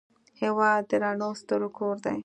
هېواد د رڼو ستورو کور دی.